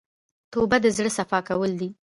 توبه د زړه صفا کول دي.